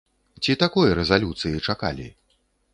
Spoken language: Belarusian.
Ці такой рэзалюцыі чакалі?